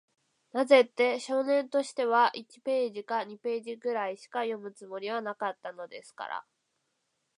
なぜって、少年としては、一ページか二ページぐらいしか読むつもりはなかったのですから。